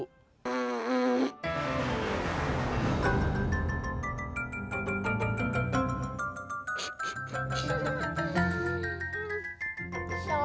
daripada lu bambu